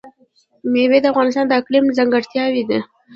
مېوې د افغانستان د اقلیم ځانګړتیا ده.